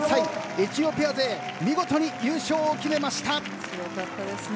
エチオピア勢見事に優勝を決めました。